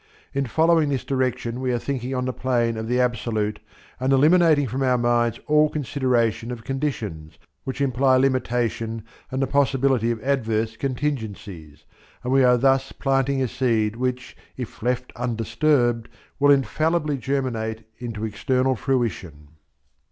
In following this direction we are thinking on the plane of the absolute and eliminating from our minds all consideration of conditions, which imply limitation and the possibility of adverse contingencies; and we are thus planting a seed which, if left undisturbed, will infallibly germinate into external fruition.